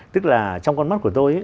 tức là trong con mắt của tôi